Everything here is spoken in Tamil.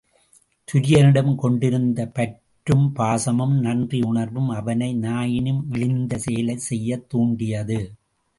துரியனிடம் கொண்டிருந்த பற்றும் பாசமும் நன்றி யுணர்வும் அவனை நாயினும் இழிந்த செயலைச் செய்யத் தூண்டியது.